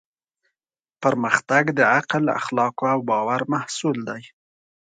پرمختګ د عقل، اخلاقو او باور محصول دی.